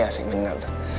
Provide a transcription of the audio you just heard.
iya sih bener tuh